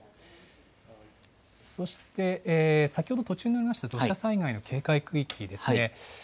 そして、先ほど途中になりました、土砂災害の警戒区域ですね。